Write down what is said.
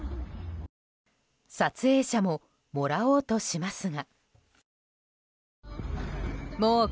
撮影者ももらおうとしますが。